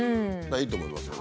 いいと思いますよ。